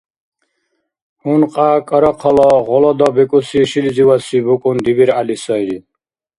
Гьункья кӀарахъала Гъолода бикӀуси шилизивадси букӀун ДибиргӀяли сайри.